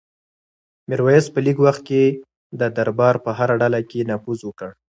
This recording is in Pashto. میرویس په لږ وخت کې د دربار په هره ډله کې نفوذ وکړ.